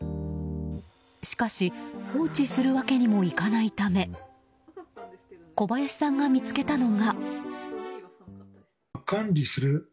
しかし、放置するわけにもいかないため小林さんが見つけたのが。